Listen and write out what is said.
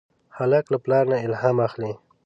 هلک له پلار نه الهام اخلي.